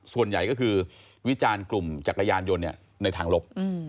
ส่วนใหญ่ก็คือวิจารณ์กลุ่มจักรยานยนต์ในทางลบ